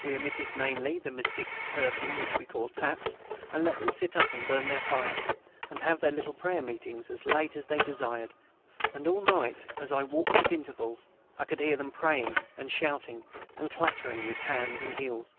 We omitted, namely, the mystic curfew which we call "taps," and let them sit up and burn their fires, and have their little prayer meetings as late as they desired; and all night, as I waked at intervals, I could hear them praying and "shouting" and clattering with hands and heels.